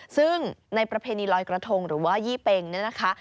ซึ่งในประเพณีลอยกระทงหรือว่ายี่เป็งเนี่ยนะคะ